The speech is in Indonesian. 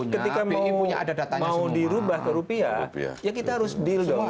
ketika mau dirubah ke rupiah ya kita harus deal dong